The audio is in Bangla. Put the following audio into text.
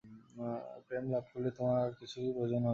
প্রেম লাভ করিলে তোমার আর কিছুরই প্রয়োজন হইবে না।